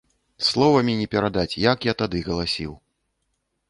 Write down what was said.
Словамі не перадаць, як я тады галасіў!